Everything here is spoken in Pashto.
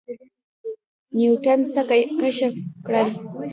نیوټن څه کشف کړل؟